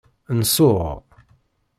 Nsuɣ.